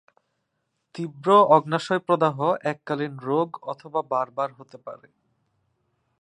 তীব্র অগ্ন্যাশয় প্রদাহ এককালীন রোগ অথবা বারবার হতে পারে।